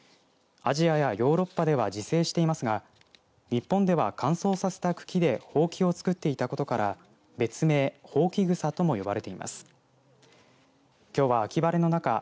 アジアやヨーロッパでは自生していますが日本では、乾燥させた茎でホウキをつくっていたことから別名、ホウキグサとも呼ばれています。